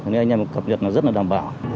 nên anh em cập nhật rất đảm bảo